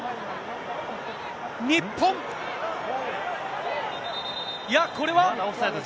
日本、いや、これは？